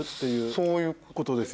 そういうことです。